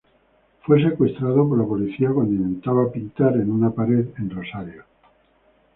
Fue secuestrado por la policía cuando intentaba pintar en una pared en Rosario.